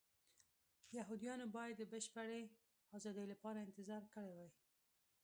یهودیانو باید د بشپړې ازادۍ لپاره انتظار کړی وای.